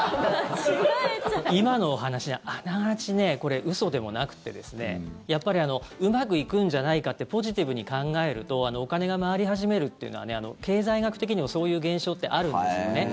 今のお話あながち嘘でもなくてですねうまくいくんじゃないかってポジティブに考えるとお金が回り始めるというのは経済学的にもそういう現象ってあるんですね。